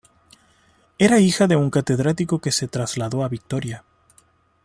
Era hija de un catedrático que se trasladó a Vitoria.